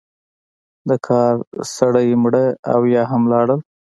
د کار سړی مړه او یا هم ولاړل.